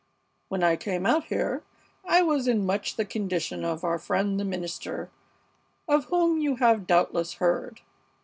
When I came out here I was in much the condition of our friend the minister of whom you have doubtless heard.